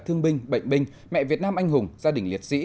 thương binh bệnh binh mẹ việt nam anh hùng gia đình liệt sĩ